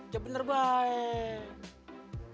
jep bener baik